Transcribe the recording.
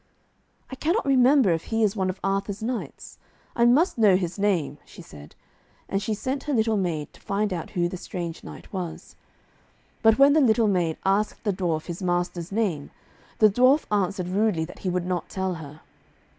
'I cannot remember if he is one of Arthur's knights. I must know his name,' she said. And she sent her little maid to find out who the strange knight was. But when the little maid asked the dwarf his master's name, the dwarf answered rudely that he would not tell her.